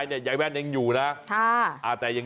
ทำพิธีเสร็จแล้ว